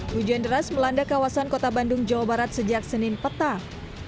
hujan deras melanda kawasan kota bandung jawa barat sejak senin petang